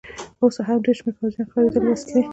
اوس هم ډېر شمېر پوځیان ښکارېدل، وسلې.